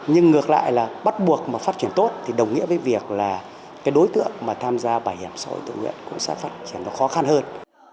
nhưng ngược lại là bắt buộc mà phát triển tốt thì đồng nghĩa với việc là cái đối tượng mà tham gia bảo hiểm xã hội tự nguyện cũng sẽ phát triển nó khó khăn hơn